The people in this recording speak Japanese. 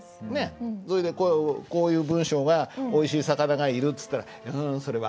それでこういう文章が「おいしい魚がいる」っつったら「ううんそれは『ある』だよ」。